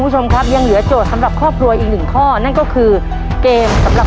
ฉันเอาจานสองค่ะ